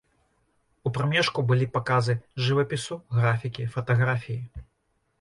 У прамежку былі паказы жывапісу, графікі, фатаграфіі.